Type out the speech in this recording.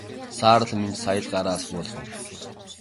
Саарал Минж сая л гараа буулгав.